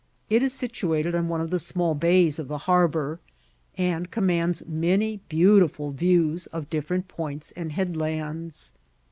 It is situated on one of the small bays of the harbour, and commands many beautiful views of different points and headlands.